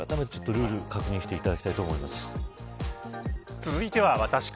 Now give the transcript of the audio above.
あらためてルールを確認していただきたいと思います。